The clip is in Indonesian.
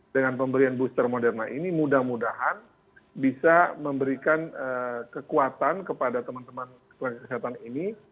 dengan pemberian booster moderna ini mudah mudahan bisa memberikan kekuatan kepada teman teman tenaga kesehatan ini